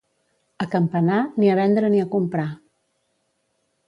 A Campanar, ni a vendre ni a comprar.